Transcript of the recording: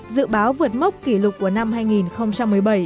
dự báo vượt mốc kỷ lục của năm hai nghìn một mươi bảy